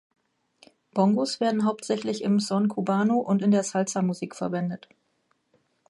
Bongos werden hauptsächlich im Son Cubano und in der Salsa-Musik verwendet.